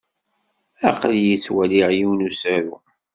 Aql-iyi ttwaliɣ yiwen n usaru.